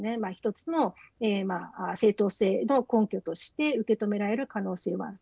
１つの正当性の根拠として受け止められる可能性はある。